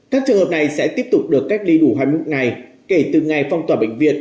các trường hợp này sẽ tiếp tục được cách ly đủ hai mươi một ngày kể từ ngày phong tỏa bệnh viện